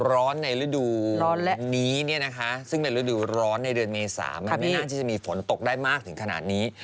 ร้อนในฤดูร้อนนี้เนี่ยนะคะซึ่งในฤดูร้อนในเดือนเมษามันไม่น่าที่จะมีฝนตกได้มากถึงขนาดนี้